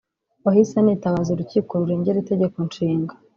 wahise anitabaza Urukiko rurengera Itegeko Nshinga